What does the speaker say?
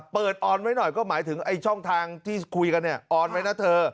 ออนไว้หน่อยก็หมายถึงไอ้ช่องทางที่คุยกันเนี่ยออนไว้นะเธอ